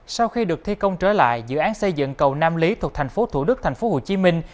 sau khi được thi công trở lại dự án xây dựng cầu nam lý thuộc thành phố thủ đức thành phố hồ chí minh